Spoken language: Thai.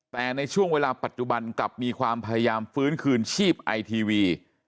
แต่ในช่วงเวลาปัจจุบันกลับมีความพยายามฟื้นคืนชีพไอทีวี